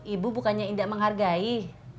ibu bukannya indah menghargai